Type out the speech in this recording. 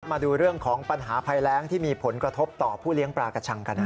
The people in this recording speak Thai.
มาดูเรื่องของปัญหาภัยแรงที่มีผลกระทบต่อผู้เลี้ยงปลากระชังกัน